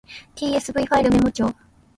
tsv ファイルメモ帳